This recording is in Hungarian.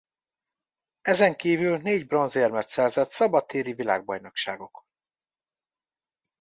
Ezen kívül négy bronzérmet szerzett szabadtéri világbajnokságokon.